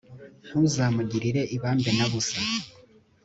ntuzamugirire ibambe na busa.